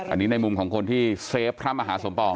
อันนี้ในมุมของคนที่เซฟพระมหาสมปอง